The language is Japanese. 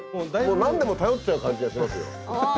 もう何でも頼っちゃう感じがしますよ。